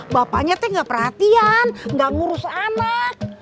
bapaknya tuh gak perhatian nggak ngurus anak